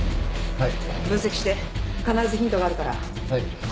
はい。